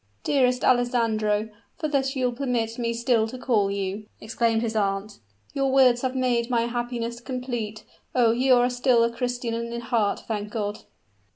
"Dearest Alessandro for thus you will permit me still to call you," exclaimed his aunt, "your words have made my happiness complete. Oh! you are still a Christian in heart, thank God!"